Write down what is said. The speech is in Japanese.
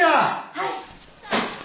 はい。